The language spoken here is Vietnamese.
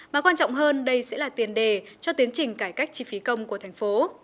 mà quan trọng hơn đây sẽ là tiền đề cho tiến trình cải cách chi phí công của thành phố